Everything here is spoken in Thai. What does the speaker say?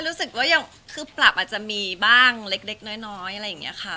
รู้สึกว่าอย่างคือปรับอาจจะมีบ้างเล็กน้อยอะไรอย่างนี้ค่ะ